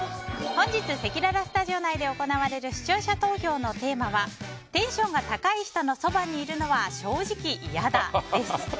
本日せきららスタジオ内で行われる視聴者投票のテーマはテンションが高い人のそばにいるのは正直嫌だです。